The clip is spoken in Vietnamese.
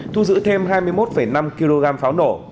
thu giữ thêm hai mươi một năm kg pháo nổ